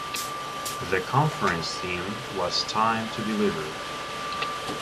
The conference theme was "Time to Deliver".